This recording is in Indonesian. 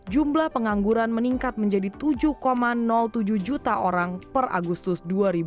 jumlah pengangguran meningkat menjadi tujuh tujuh juta orang per agustus dua ribu dua puluh